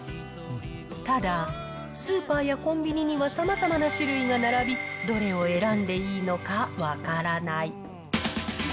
ただ、スーパーやコンビニにはさまざまな種類が並び、どれを選んでいいのか分からない。